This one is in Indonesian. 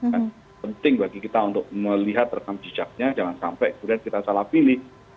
jadi penting bagi kita untuk melihat rekam sejaknya jangan sampai kita salah pilih